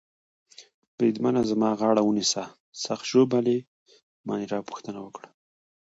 بریدمنه زما غاړه ونیسه، سخت ژوبل يې؟ مانیرا پوښتنه وکړه.